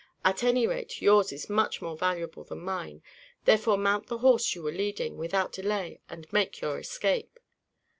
At any rate yours is much more valuable than mine, therefore mount the horse you are leading, without delay, and make your escape."